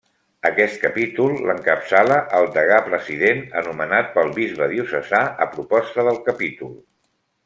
Aquest capítol l'encapçala el Degà-President, anomenat pel bisbe diocesà a proposta del capítol.